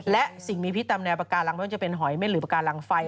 และสิ่งมีพิษตามแนวปากาลังไม่ว่าจะเป็นหอยเม็ดหรือปากการังไฟ